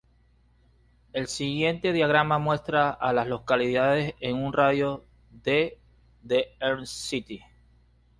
El siguiente diagrama muestra a las localidades en un radio de de Elm City.